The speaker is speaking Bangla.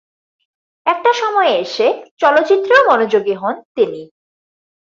একটা সময়ে এসে চলচ্চিত্রেও মনোযোগী হন তিনি।